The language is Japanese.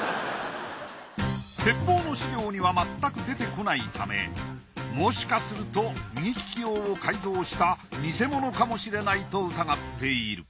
鉄砲の資料にはまったく出てこないためもしかすると右利き用を改造したニセモノかもしれないと疑っている。